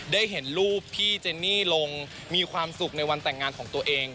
ได้เห็นรูปพี่เจนนี่ลงมีความสุขในวันแต่งงานของตัวเอง